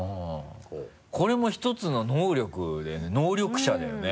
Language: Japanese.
これも１つの能力だよね能力者だよね。